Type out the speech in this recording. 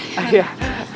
ya udah deh boleh